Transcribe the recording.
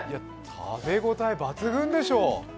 食べ応え抜群でしょ。